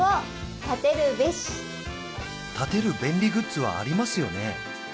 立てる便利グッズはありますよね？